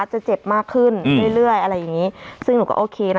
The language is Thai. จะเจ็บมากขึ้นเรื่อยเรื่อยอะไรอย่างงี้ซึ่งหนูก็โอเคนะ